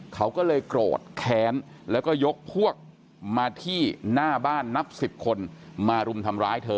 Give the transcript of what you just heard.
เขาก็เลยโกรธแค้นแล้วก็ยกพวกมาที่หน้าบ้านนับ๑๐คนมารุมทำร้ายเธอ